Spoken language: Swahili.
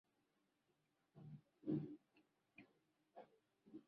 titanic ilikuwa na uwezo mkubwa sana